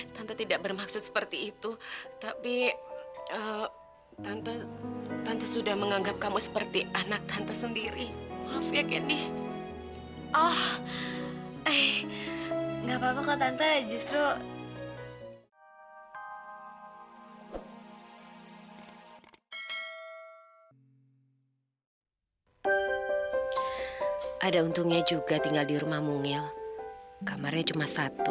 sampai jumpa di video selanjutnya